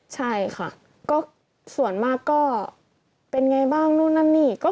ใช่ค่ะก็ส่วนมากก็เป็นไงบ้างนู่นนั่นนี่